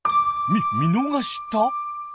み見逃した？